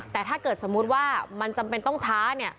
แต่ถ้าเกิดสมมุติว่ามันจำเป็นต้องช้าเนี่ย